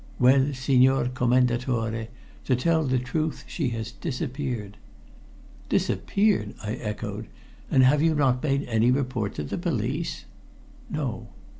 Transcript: "Well, Signor Commendatore, to tell the truth, she has disappeared." "Disappeared!" I echoed. "And have you not made any report to the police?" "No."